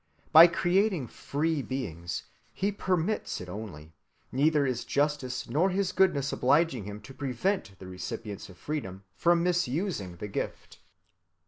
By creating free beings He permits it only, neither his justice nor his goodness obliging Him to prevent the recipients of freedom from misusing the gift.